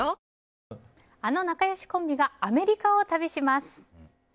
あの仲良しコンビがアメリカを旅します！